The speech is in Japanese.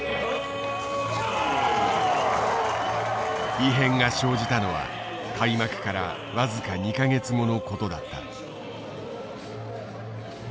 異変が生じたのは開幕から僅か２か月後のことだった。